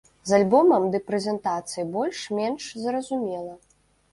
З альбомам ды прэзентацыяй больш-менш зразумела.